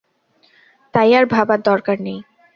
তাই আর ভাবার দরকার নেই।